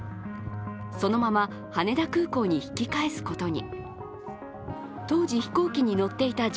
そのまま羽田空港に引き返すことに。